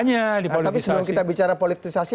tapi sebelum kita bicara politisasi